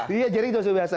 iya jering sudah biasa